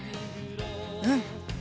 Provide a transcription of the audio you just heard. うん！